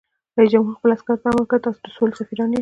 رئیس جمهور خپلو عسکرو ته امر وکړ؛ تاسو د سولې سفیران یاست!